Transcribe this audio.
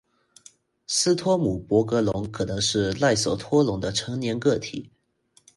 斯托姆博格龙可能是赖索托龙的成年个体。